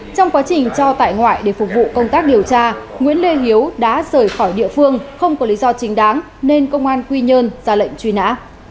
trong quá trình cho tại ngoại để phục vụ công tác điều tra nguyễn lê hiếu đã rời khỏi địa phương không có lý do chính đáng nên công an quy nhơn ra lệnh truy nã